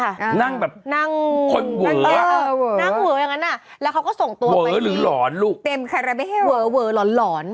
เหลือเหลือหลอน